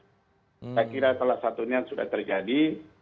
saya kira salah satunya sudah terjadi